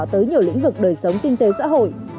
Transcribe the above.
tới nhiều lĩnh vực đời sống kinh tế xã hội